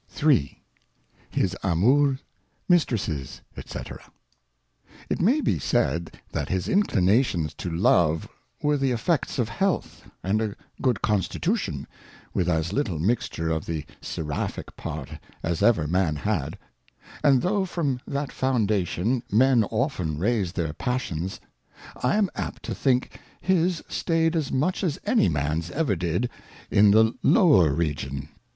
III. His King Charles II. 193 III. His AmoukSj Mistresses, Sj c. T T may be said that his Inclinations to Love were the Effects ■ of Health, and a good Constitution, with as little mixture of the Seraphick part as ever Man had : And though from that Foundation Men often raise their Passions ; I am apt to think his stayed as much as any Man's ever did in the lower Region.